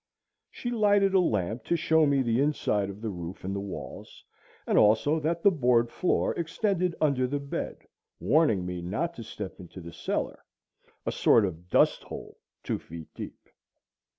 She lighted a lamp to show me the inside of the roof and the walls, and also that the board floor extended under the bed, warning me not to step into the cellar, a sort of dust hole two feet deep.